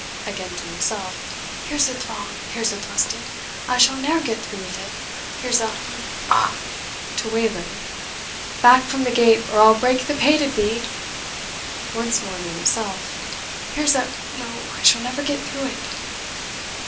(Again to himself) "Here's a throng here's a thrusting. I shall ne'er get through with it Here's a humph ha." (To Wayland) "Back from the gate, or I'll break the pate of thee." (Once more to himself) "Here's a no I shall never get through it."